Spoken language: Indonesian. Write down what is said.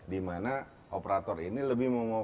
dimana operator ini lebih